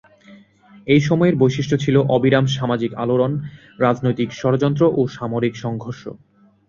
এই সময়ের বৈশিষ্ট ছিল অবিরাম সামাজিক আলোড়ন, রাজনৈতিক ষড়যন্ত্র ও সামরিক সংঘর্ষ।